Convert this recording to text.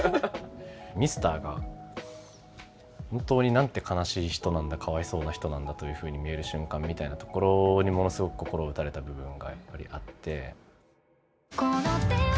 ミスターが本当になんて悲しい人なんだかわいそうな人なんだというふうに見える瞬間みたいなところにものすごく心を打たれた部分がやっぱりあって。